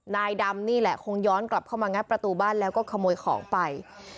นายดำนี่แหละคงย้อนกลับเข้ามางัดประตูบ้านแล้วก็ขโมยของไป